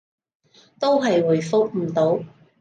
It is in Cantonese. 都係回覆唔到